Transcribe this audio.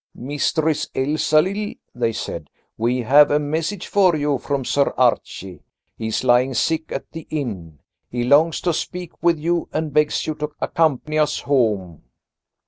"Mistress Elsalill," they said, "we have a message for you from Sir Archie. He is lying sick at the inn. He longs to speak with you and begs you to accompany us home."